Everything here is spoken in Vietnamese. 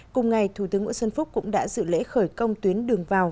cùng ngày thủ tướng nguyễn xuân phúc cũng đã dự lễ khởi công tuyến đường vào